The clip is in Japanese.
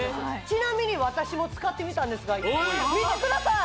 ちなみに私も使ってみたんですが見てください